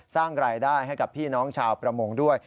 สร้างรายได้ให้กับพี่น้องชาวประมงด้วย